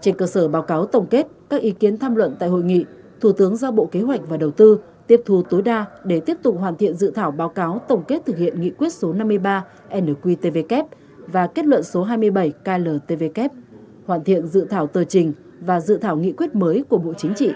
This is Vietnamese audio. trên cơ sở báo cáo tổng kết các ý kiến tham luận tại hội nghị thủ tướng giao bộ kế hoạch và đầu tư tiếp thu tối đa để tiếp tục hoàn thiện dự thảo báo cáo tổng kết thực hiện nghị quyết số năm mươi ba nqtvk và kết luận số hai mươi bảy kltvk hoàn thiện dự thảo tờ trình và dự thảo nghị quyết mới của bộ chính trị